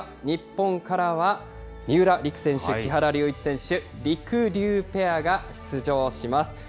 日本からは三浦璃来選手・木原龍一選手、りくりゅうペアが出場します。